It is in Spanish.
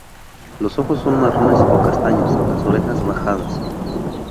Los ojos son marrones o castaños, las orejas bajadas.